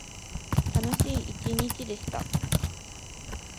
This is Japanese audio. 楽しい一日でした。